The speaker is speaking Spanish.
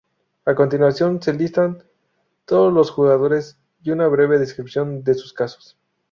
A continuación se listan todos los jugadores y una breve descripción de sus casos.